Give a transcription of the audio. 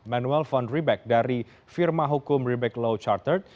manuel von riebeck dari firma hukum riebeck law chartered